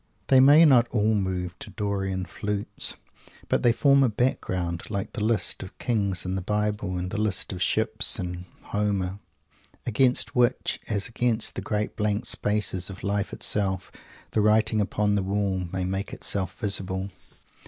They may not all move to Dorian flutes, but they form a background like the lists of the Kings in the Bible and the lists of the Ships in Homer against which, as against the great blank spaces of Life itself, "the writing upon the wall" may make itself visible.